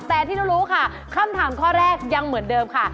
แต่ที่เรารู้ค่ะคำถามข้อแรกยังเหมือนเดิมค่ะ